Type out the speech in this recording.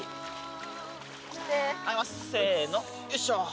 せのよいしょ！